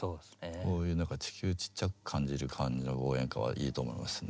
こういう何か地球ちっちゃく感じる感じの応援歌はいいと思いますね